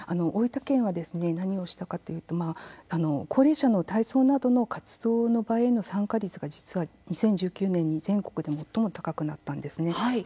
大分県は何をしたかというと高齢者の体操などの活動の場への参加率が実は２０１９年に全国で最も高くなったんです。